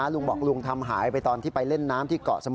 ลุงบอกลุงทำหายไปตอนที่ไปเล่นน้ำที่เกาะสมุ